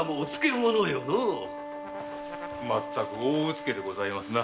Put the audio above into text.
まったく大虚けでございますな。